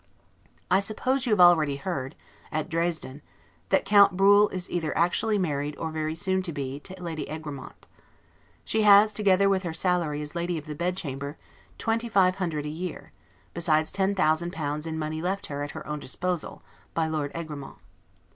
I suppose you have already heard, at Dresden, that Count Bruhl is either actually married, or very soon to be so, to Lady Egremont. She has, together with her salary as Lady of the Bed chamber, L2,500 a year, besides ten thousand pounds in money left her, at her own disposal, by Lord Egremont.